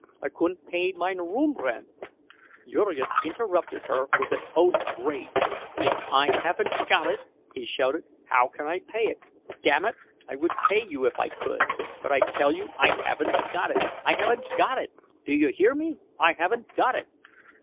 I couldn't pay mine room rent—" Jurgis interrupted her with an oath of rage. "If I haven't got it," he shouted, "how can I pay it? Damn it, I would pay you if I could, but I tell you I haven't got it. I haven't got it! Do you hear me—_I haven't got it!